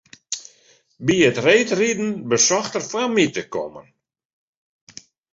By it reedriden besocht er foar my te kommen.